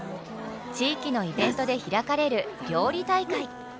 地域のイベントで開かれる料理大会。